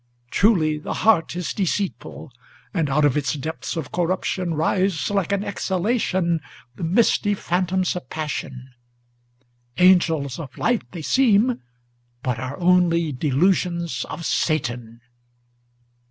Truly the heart is deceitful, and out of its depths of corruption Rise, like an exhalation, the misty phantoms of passion; Angels of light they seem, but are only delusions of Satan.